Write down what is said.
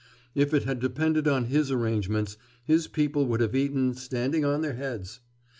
If it had depended on his arrangements, his people would have eaten standing on their heads.